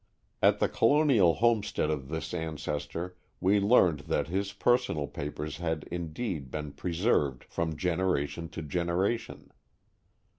At the colonial homestead of this ancestor we learned that his personal papers had, indeed, been preserved from generation to generation.